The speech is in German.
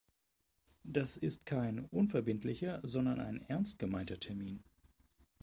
Das ist kein unverbindlicher, sondern ein ernst gemeinter Termin.